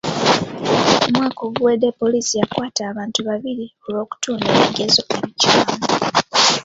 Omwaka oguwedde poliisi yakwata abantu babiri olw'okutunda ebigezo ebikyamu.